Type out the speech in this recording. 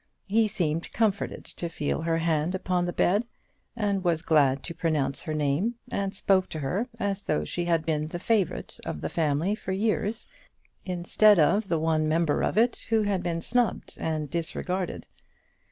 He seemed comforted to feel her hand upon the bed, and was glad to pronounce her name, and spoke to her as though she had been the favourite of the family for years, instead of the one member of it who had been snubbed and disregarded.